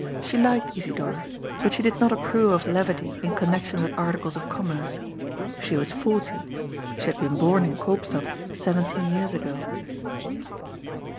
She liked Isidor, but she did not approye of leyity in con^ nection with articles of commerce. She was forty ; she had been bom in Koopstad seyenteen years ago.